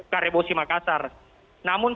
karebo simakasar namun